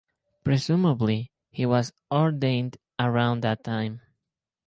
Presumably he was ordained around that time.